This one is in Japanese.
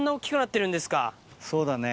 そうだね。